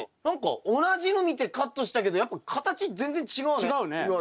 何か同じの見てカットしたけどやっぱ形全然違うね。